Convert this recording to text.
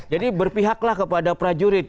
jadi berpihaklah kepada prajurit